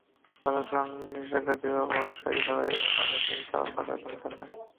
প্রশাসন নিষেধাজ্ঞা দিলেও প্রভাবশালী হওয়ার কারণে তিনি কারও কথা শুনছেন না।